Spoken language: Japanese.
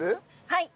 はい。